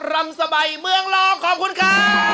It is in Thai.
รำสบายเมืองรองขอบคุณครับ